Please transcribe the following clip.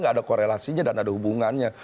tidak ada korelasinya dan tidak ada hubungannya